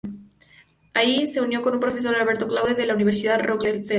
Ahí, se unió con su profesor Albert Claude en la Universidad Rockefeller.